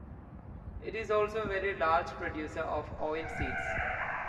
It is also very large producer of oilseeds.